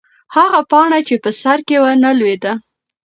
هغه پاڼه چې په سر کې وه نه لوېده.